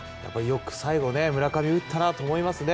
よく最後村上、打ったなと思いますね。